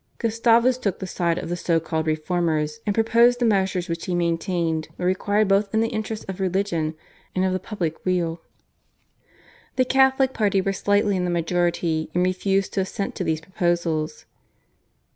Gustavus took the side of the so called reformers, and proposed the measures which he maintained were required both in the interests of religion and of the public weal. The Catholic party were slightly in the majority and refused to assent to these proposals.